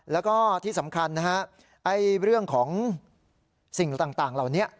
แล้วก็ที่สำคัญนะฮะเรื่องของสิ่งต่างเหล่านี้